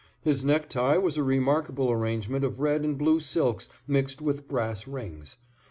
His necktie was a remarkable arrangement of red and blue silks mixed with brass rings.